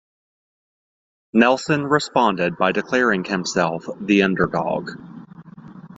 Nelson responded by declaring himself the underdog.